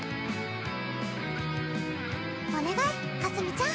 お願いかすみちゃん。